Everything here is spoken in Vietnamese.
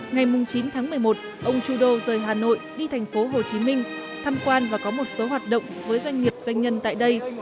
ngày chín tháng một mươi một ông trudeau rời hà nội đi thành phố hồ chí minh thăm quan và có một số hoạt động với doanh nghiệp doanh nhân tại đây